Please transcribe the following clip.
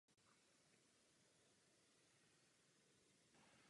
Vojáci se nikdy nemohou pohybovat dozadu.